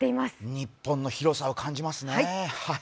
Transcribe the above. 日本の広さを感じますね。